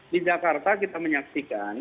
di jakarta kita menyaksikan